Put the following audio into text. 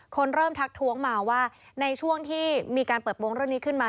เริ่มทักท้วงมาว่าในช่วงที่มีการเปิดโปรงเรื่องนี้ขึ้นมา